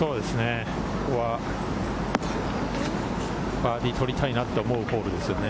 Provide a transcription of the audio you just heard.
ここはバーディーを取りたいなって思うホールですよね。